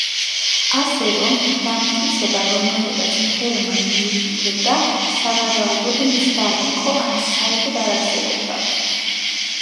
ასე რომ, დამტკიცება, რომელზედაც ფერმა მიუთითებდა, სავარაუდოდ მცდარი იყო ან საერთოდ არ არსებობდა.